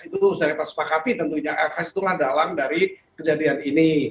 itu sudah kita sepakati tentunya fs itulah dalang dari kejadian ini